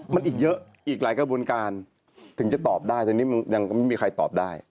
มันอีกเยอะอีกหลายกระบวนการถึงจะตอบได้ตอนนี้มันยังไม่มีใครตอบได้